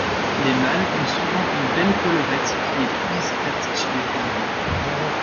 Les mâles ont souvent une belle collerette qui est plus discrète chez les femelles.